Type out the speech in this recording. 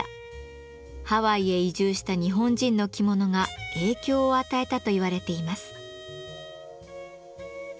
ハワイへ移住した日本人の着物が影響を与えたと言われています。